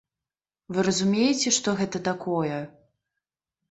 Вы разумееце, што гэта такое?